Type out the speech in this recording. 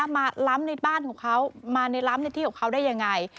ล้ำในบ้านของเขามาในล้ำในที่ของเขาได้ยังไง